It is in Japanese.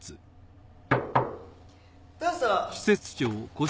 どうぞ。